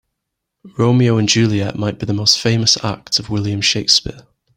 Romeo and Juliet might be the most famous act of William Shakespeare.